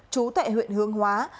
chú tại huyện hương hóa